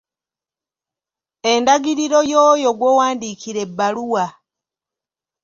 Endagiriro y'oyo gw'owandiikira ebbaluwa.